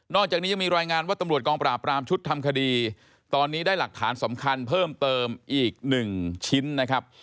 อกจากนี้ยังมีรายงานว่าตำรวจกองปราบรามชุดทำคดีตอนนี้ได้หลักฐานสำคัญเพิ่มเติมอีก๑ชิ้นนะครับ